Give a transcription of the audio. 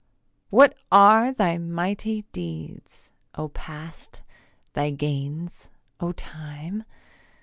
What are thy mighty deeds, O Past, thy gains, O Time?